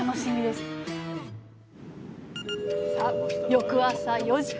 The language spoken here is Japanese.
翌朝４時。